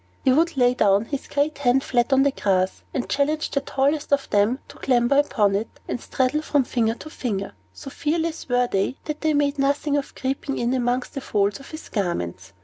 He would lay down his great hand flat on the grass, and challenge the tallest of them to clamber upon it, and straddle from finger to finger. So fearless were they, that they made nothing of creeping in among the folds of his garments.